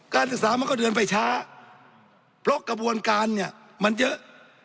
ศึกษามันก็เดินไปช้าเพราะกระบวนการเนี่ยมันเยอะ